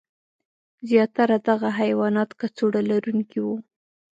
زیاتره دغه حیوانات کڅوړه لرونکي وو.